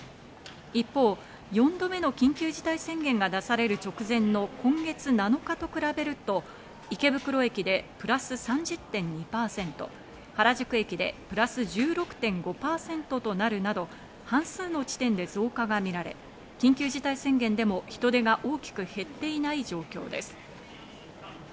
一方、４度目の緊急事態宣言が出される直前の今月７日と比べると池袋駅でプラス３０．２％、原宿駅でプラス１６．５％となるなど半数の地点で増加がみられ、緊急事態宣言でも人出が大きく減っていない状況です。